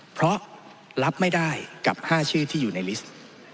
เพราะรับไม่ได้กับ๕ชื่อที่อยู่ในลิสต์